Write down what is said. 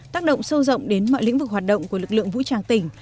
tác động sâu rộng đến mọi lĩnh vực hoạt động của lực lượng vũ trang tỉnh